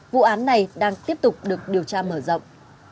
vụ án này đang tiếp tục được điều tra mở rộng